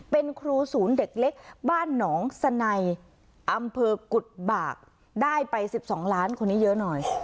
เป็นครูศูนย์เด็กเล็กบ้านหนองสนัยอำเภอกุฎบากได้ไป๑๒ล้านคนนี้เยอะหน่อย